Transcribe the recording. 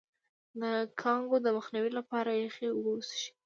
د کانګو د مخنیوي لپاره یخې اوبه وڅښئ